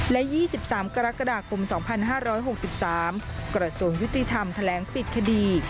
และ๒๓กรกฎาคม๒๕๖๓กระทรวงยุติธรรมแถลงปิดคดี